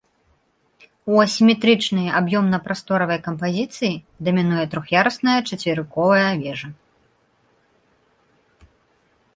У асіметрычнай аб'ёмна-прасторавай кампазіцыі дамінуе трох'ярусная чацверыковая вежа.